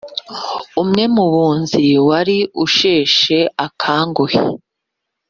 Umwe mu bunzi wari usheshe akanguhe